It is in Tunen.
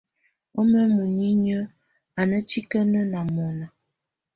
Wamɛ̀á muninyǝ́ á ná tikǝ́nǝ́ ná mɔ̀na.